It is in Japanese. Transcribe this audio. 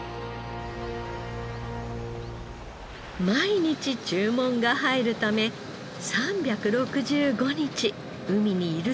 毎日注文が入るため３６５日海にいるという中田さん。